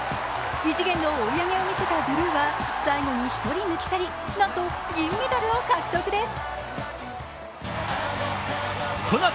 異次元の追い上げを見せたブルーは最後に１人抜き去り、なんと銀メダルを獲得です。